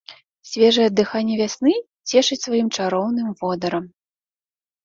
Свежае дыханне вясны цешыць сваім чароўным водарам.